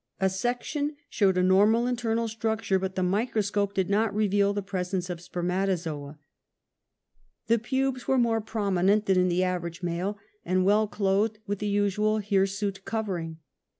A section showed a normal in ternal structure, but the microscope did not reveal the presence of spemiatozoa. The pubes were more 42 UNMASKED. prominent than in the average male, and well clothed with the usual hirsute covering.